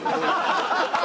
ハハハハ！